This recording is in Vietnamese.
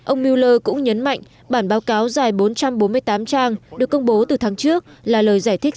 ông mueller cũng nhấn mạnh bản báo cáo dài bốn trăm bốn mươi tám trang được công bố từ tháng trước là lời giải thích